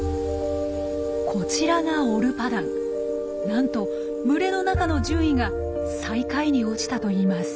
なんと群れの中の順位が最下位に落ちたといいます。